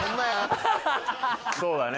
そうだね。